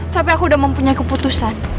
tapi aku udah mempunyai keputusan